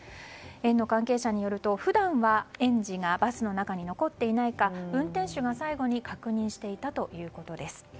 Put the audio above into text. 園の関係者によると、普段は園児がバスの中に残っていないか運転手が最後に確認していたということです。